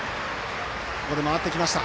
ここで回ってきました。